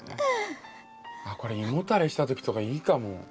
これ胃もたれした時とかいいかも。